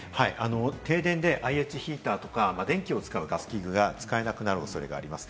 停電でＩＨヒーターとか、電気を使うガス器具が使えなくなる恐れがあります。